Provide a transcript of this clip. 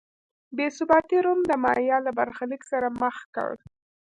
بې ثباتۍ روم د مایا له برخلیک سره مخ کړ.